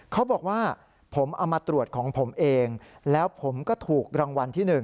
เขาบอกว่าผมเอามาตรวจของผมเองแล้วผมก็ถูกรางวัลที่๑